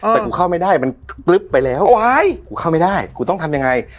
แต่กูเข้าไม่ได้มันปลึ๊บไปแล้วกูเข้าไม่ได้กูต้องทำยังไง